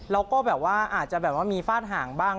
เราก็แบบว่าอาจจะมีฟาดห่างบ้าง